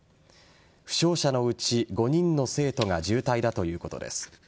負傷者のうち、５人の生徒が重体だということです。